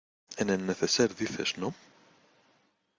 en el neceser dices, ¿ no?